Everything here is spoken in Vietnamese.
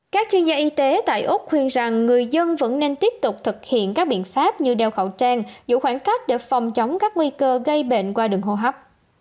các chuyên gia y tế tại úc khuyên rằng người dân vẫn nên tiếp tục thực hiện các biện pháp như đeo khẩu trang giữ khoảng cách để phòng chống các nguy cơ gây bệnh qua đường hô hấp